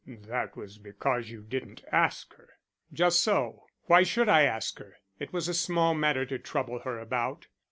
"That was because you didn't ask her." "Just so. Why should I ask her? It was a small matter to trouble her about."